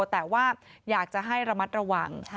แต่ว่าอยากจะให้ระมัดระวัง